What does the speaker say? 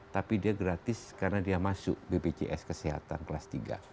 tapi dia gratis karena dia masuk bpjs kesehatan kelas tiga